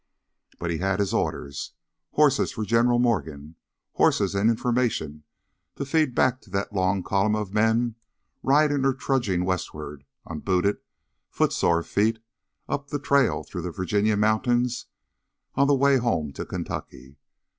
But he had his orders horses for General Morgan, horses and information to feed back to that long column of men riding or trudging westward on booted, footsore feet up the trail through the Virginia mountains on the way home to Kentucky.